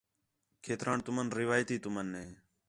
کھیتران تُمن روایتی تُمن ہے